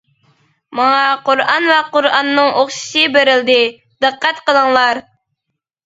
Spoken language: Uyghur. ماڭا قۇرئان ۋە قۇرئاننىڭ ئوخشىشى بېرىلدى، دىققەت قىلىڭلار!